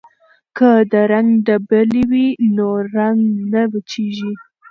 که د رنګ ډبلي وي نو رنګ نه وچیږي.